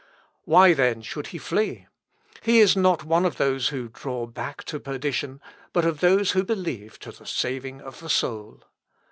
Why, then, should he flee? He is not one of "those who draw back to perdition; but of those who believe to the saving of the soul."